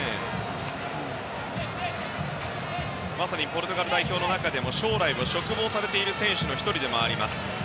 まさにポルトガル代表の中でも将来を嘱望されている選手の１人です。